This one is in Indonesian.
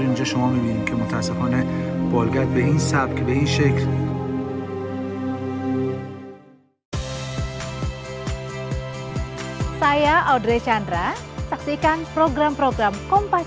ini gambar gambar yang terdiri dari pahpatan jammet ilal ahmad